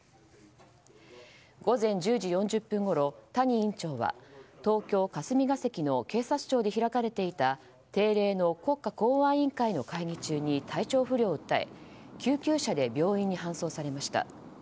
午前１０時４０分ごろ谷委員長は東京・霞が関の警察庁で開かれていた定例の国家公安委員会の会議中に体調不良を訴え救急車で病院に搬送されました。